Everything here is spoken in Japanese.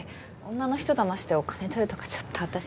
女の人だましてお金取るとかちょっと私には。